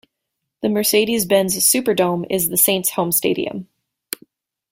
The Mercedes-Benz Superdome is the Saints' home stadium.